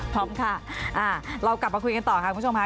พร้อมค่ะเรากลับมาคุยกันต่อค่ะคุณผู้ชมค่ะ